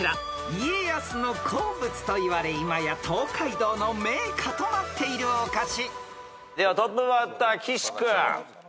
［家康の好物といわれ今や東海道の銘菓となっているお菓子］ではトップバッター岸君。